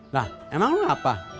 lah emang lu apa